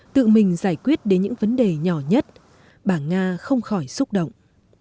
tự mình giải quyết đến những vấn đề nhỏ nhất bà nga không khỏi xúc động